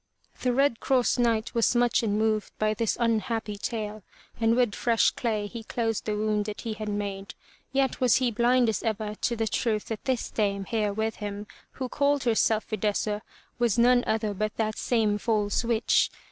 The Red Cross Knight was much enmoved by this unhappy tale and with fresh clay he closed the wound that he had made, yet was he blind as ever to the truth that this dame, here with him, who called herself Fidessa, was none other but that same false witch.